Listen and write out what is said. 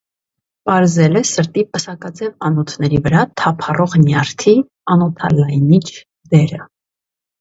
Պարզել է սրտի պսակաձև անոթների վրա թափառող նյարդի անոթալայնիչ դերը։